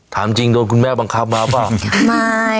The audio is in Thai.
ถามจริงโดนคุณแม่บังคับมาเปล่าไม่